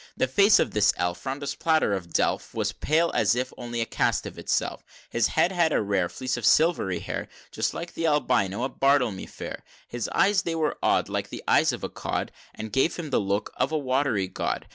XX. The face of this elf, Round as platter of delf, Was pale as if only a cast of itself; His head had a rare Fleece of silvery hair, Just like the Albino at Bartlemy Fair. XXI. His eyes they were odd, Like the eyes of a cod, And gave him the look of a watery God.